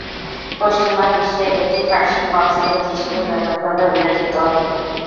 পশ্চিমা বিশ্বে এটি ফার্সি পপ সঙ্গীত হিসাবে ব্যাপকভাবে উল্লেখিত।